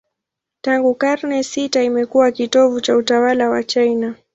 Tangu karne sita imekuwa kitovu cha utawala wa China.